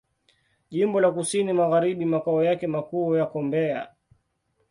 Jimbo la Kusini Magharibi Makao yake makuu yako Mbeya.